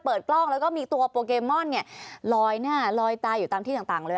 เมื่อเปิดกล้องแล้วก็มีตัวโปเกมอลเนี่ยลอยหน้าลอยตาอยู่ตามที่ต่าง